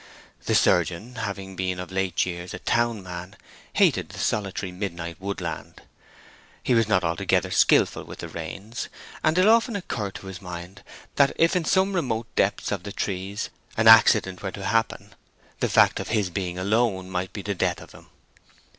The surgeon, having been of late years a town man, hated the solitary midnight woodland. He was not altogether skilful with the reins, and it often occurred to his mind that if in some remote depths of the trees an accident were to happen, the fact of his being alone might be the death of him.